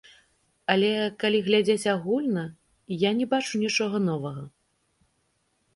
Але, калі глядзець агульна, я не бачу нічога новага.